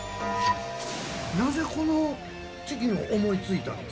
なぜこのチキンを思い付いたんですか？